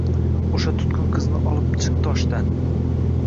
O’sha tutqin qizni olib chiq toshdan.